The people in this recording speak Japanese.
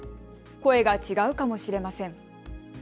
声が違うかもしれません。